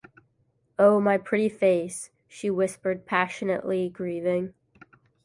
"Oh, my pretty face," she whispered, passionately grieving.